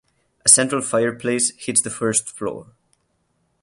A central fireplace heats the first floor.